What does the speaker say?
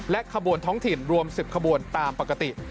ขบวนท้องถิ่นรวม๑๐ขบวนตามปกติ